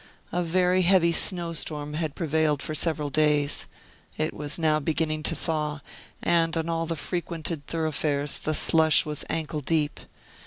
A very heavy snow storm had prevailed for several days. It was now beginning to thaw, and on all the frequented thoroughfares the slush was ankle deep.